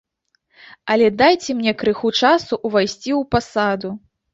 Але дайце мне крыху часу ўвайсці ў пасаду.